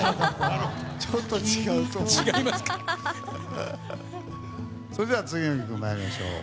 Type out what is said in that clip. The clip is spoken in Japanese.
ちょっと違うと思う。